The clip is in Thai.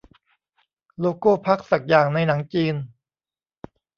โลโก้พรรคสักอย่างในหนังจีน